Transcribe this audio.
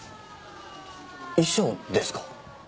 遺書ですか？